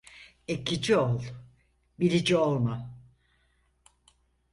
Ekici ol, bilici olma.